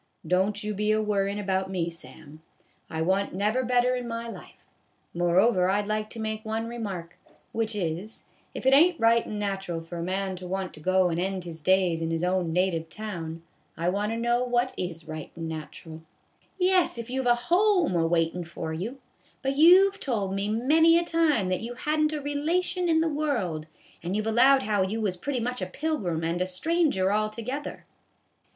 " Don't you be a wor ryin' about me, Sam. I wa' n't never better in my A BAG OF POP CORN. 163 life. Moreover, I 'd like to make one remark, which is, if it ain't right and natural for a man to want to go and end his days in his own native town, I want to know what is right and natural." " Yes, if you have a home a waitin' for you ; but you've told me many a time that you hadn't a relation in the world. And you 've allowed how you was pretty much a pilgrim and a stranger altogether."